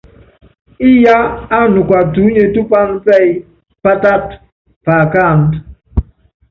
Íyá ánuka tuúnye tú paán pɛ́ɛ́y pátát paakándɔ́.